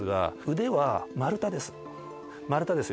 腕は丸太です